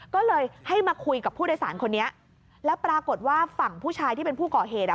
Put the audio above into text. ก็เลยให้มาคุยกับผู้โดยสารคนนี้แล้วปรากฏว่าฝั่งผู้ชายที่เป็นผู้ก่อเหตุอ่ะ